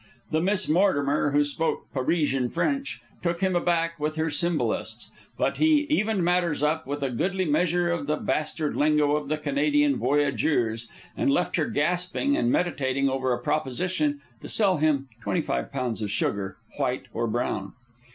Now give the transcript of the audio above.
The Miss Mortimer, who spoke Parisian French, took him aback with her symbolists; but he evened matters up with a goodly measure of the bastard lingo of the Canadian voyageurs, and left her gasping and meditating over a proposition to sell him twenty five pounds of sugar, white or brown.